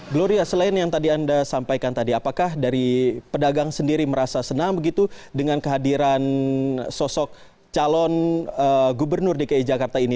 gloria selain yang tadi anda sampaikan tadi apakah dari pedagang sendiri merasa senang begitu dengan kehadiran sosok calon gubernur dki jakarta ini